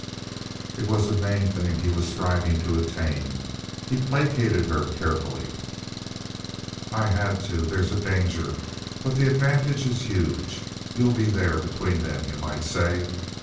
It was the main thing he was striving to attain. He placated her carefully. "I had to. There's a danger. But the advantage is huge. You'll be there between them, you might say.